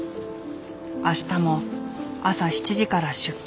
明日も朝７時から出勤。